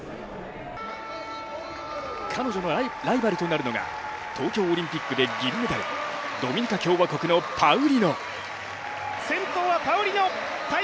彼女のライバルとなるのが東京オリンピックで銀メダル、ドミニカ共和国のパウリノ。